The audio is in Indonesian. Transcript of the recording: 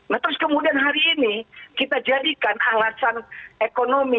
nah terus kemudian hari ini kita jadikan alasan ekonomi